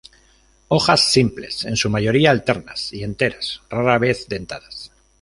Hojas simples, en su mayoría alternas y enteras, rara vez dentadas.